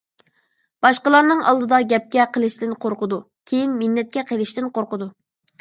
باشقىلارنىڭ ئالدىدا گەپكە قېلىشتىن قورقىدۇ، كىيىن مىننەتكە قېلىشتىن قورقىدۇ.